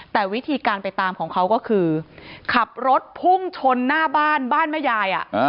แต่วิธีการไปตามของเขาก็คือขับรถพุ่งชนหน้าบ้านบ้านแม่ยาย